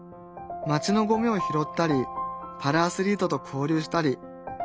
街のゴミを拾ったりパラアスリートと交流したり。